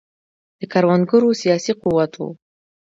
د کروندګرو سیاسي قوت و.